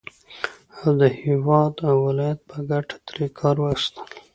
او د هېواد او ولايت په گټه ترې كار واخيستل